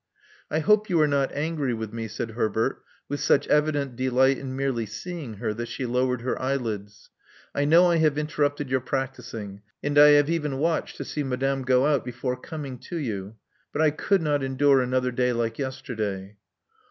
I hope you are not angry with me,'* said Herbert, with such evident delight in merely seeing her, that she lowered her eyelids. I know I have interrupted your practising; and I have even watched to see madame go out before coming to you. But I could not endure another day like yesterday."